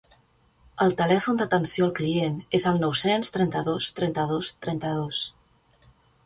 El telèfon d'atenció al client és el nou-cents trenta-dos trenta-dos trenta-dos.